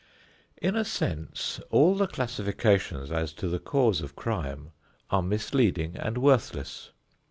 In a sense, all the classifications as to the cause of crime are misleading and worthless.